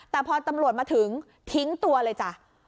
แต่พอตำรวจมาถึงทิ้งตัวเลยจ้ะ